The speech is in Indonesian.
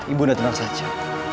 ibu nanti tenang saja